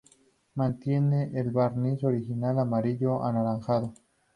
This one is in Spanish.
Mantiene el barniz original amarillo anaranjado.